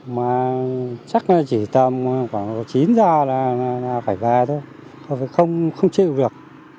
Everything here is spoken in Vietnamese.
mà chắc là chỉ tầm khoảng chín giờ là phải về thôi phải không chịu được